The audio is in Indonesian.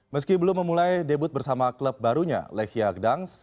meski belum memulai debut bersama klub barunya lechiagans